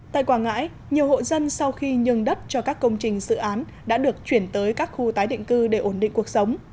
tại quảng ngãi nhiều hộ dân sau khi nhường đất cho các công trình dự án đã được chuyển tới các khu tái định cư để ổn định cuộc sống